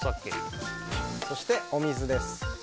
そして、お水です。